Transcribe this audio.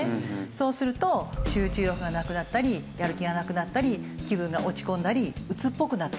そうすると集中力がなくなったりやる気がなくなったり気分が落ち込んだりうつっぽくなったり。